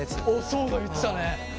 そうだ言ってたね。